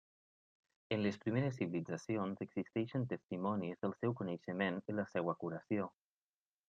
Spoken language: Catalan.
En les primeres civilitzacions existeixen testimonis del seu coneixement i la seua curació.